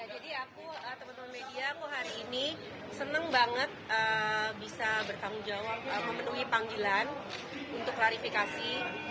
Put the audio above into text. jadi aku teman teman media aku hari ini senang banget bisa bertanggung jawab memenuhi panggilan untuk klarifikasi